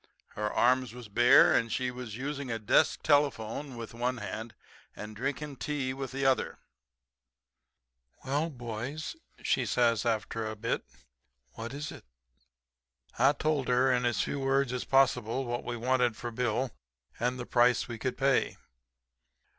Her arms was bare; and she was using a desk telephone with one hand, and drinking tea with the other. "'Well, boys,' says she after a bit, 'what is it?' [Illustration: "'Well boys, what is it?'"] "I told her in as few words as possible what we wanted for Bill, and the price we could pay.